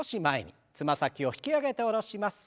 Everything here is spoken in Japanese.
つま先を引き上げて下ろします。